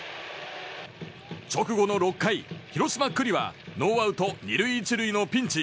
直後の６回広島、九里はノーアウト２塁１塁のピンチ。